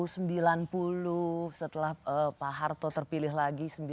setelah pak harto terpilih lagi